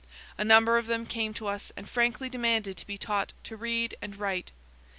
A number of them came to us and frankly demanded to be taught to read and write.